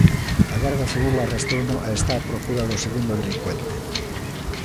A Garda Civil arrestouno e está a procura do segundo delincuente.